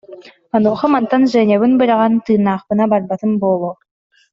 Онуоха, мантан Женябын быраҕан, тыыннаахпына барбатым буолуо